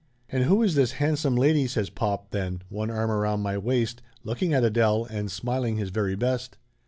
"And who is this handsome lady?" says pop then, one arm around my waist, looking at Adele and smiling his very best.